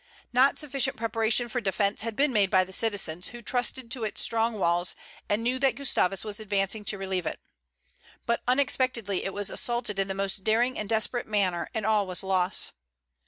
Not sufficient preparation for defence had been made by the citizens, who trusted to its strong walls, and knew that Gustavus was advancing to relieve it. But unexpectedly it was assaulted in the most daring and desperate manner, and all was lost.